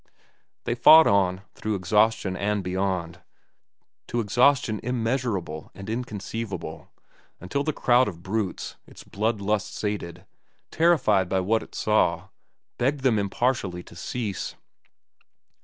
They fought on, through exhaustion and beyond, to exhaustion immeasurable and inconceivable, until the crowd of brutes, its blood lust sated, terrified by what it saw, begged them impartially to cease.